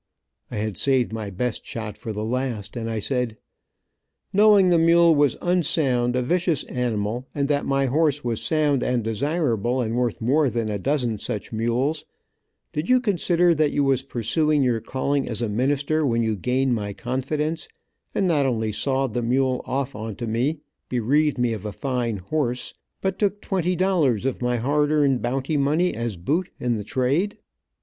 I had saved my best shot for the last, and I said, "knowing the mule was unsound, a vicious animal, and that my horse was sound and desirable, and worth more than a dozen such mules, did you consider that you was pursuing your calling as a minister when you gained my confidence, and not only sawed the mule off on to me, bereaved me of a fine horse, but took twenty dollars of my hard earned bounty money as boot in the trade?